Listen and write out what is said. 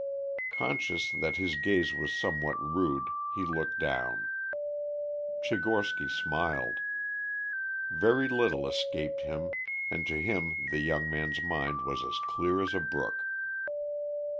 Conscious that his gaze was somewhat rude he looked down. Tchigorsky smiled. Very little escaped him and to him the young man's mind was as clear as a brook.